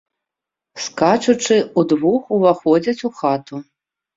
Скачучы, удвух уваходзяць у хату.